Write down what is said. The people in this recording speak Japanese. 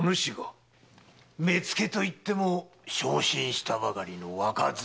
目付といっても昇進したばかりの若僧。